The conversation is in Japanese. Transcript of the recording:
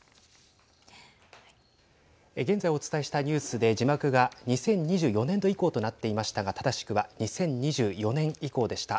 現在お伝えしたニュースで字幕が２０２４年度以降となっていましたが正しくは２０２４年以降でした。